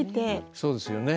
そうですよね